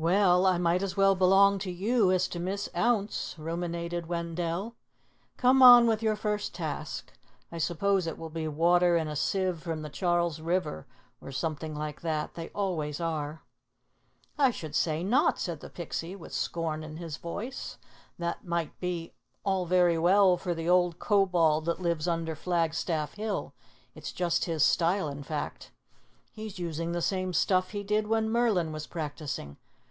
"Well, I might as well belong to you as to Miss Ounce," ruminated Wendell. "Come on with your first task. I suppose it will be water in a sieve from the Charles River or something like that. They always are." "I should say not," said the Pixie with scorn in his voice. "That might be all very well for the old Kobold that lives under Flag Staff Hill. It's just his style, in fact. He's using the same stuff he did when Merlin was practicing.